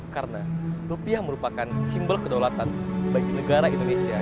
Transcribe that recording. karena rupiah merupakan simbol kedaulatan bagi negara indonesia